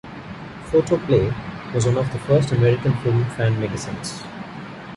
"Photoplay" was one of the first American film fan magazines.